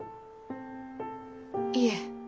いえ。